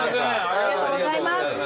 ありがとうございます。